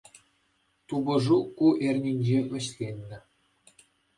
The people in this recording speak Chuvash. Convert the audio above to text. Тупӑшу ку эрнинче вӗҫленнӗ.